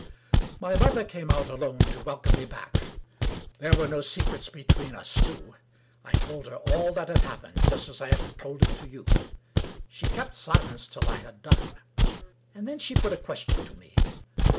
VI My mother came out alone to welcome me back. There were no secrets between us two. I told her all that had happened, just as I have told it to you. She kept silence till I had done. And then she put a question to me.